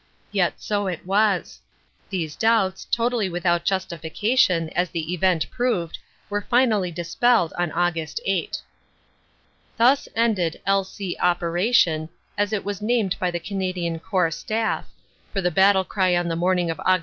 Yet so it was. These doubts, totally without justification as the event proved, were finally dispelled on Aug. 8. Thus ended the "L. C. Operation," as it was named by the Canadian Corps Staff, for the battle cry on the morning of Aug.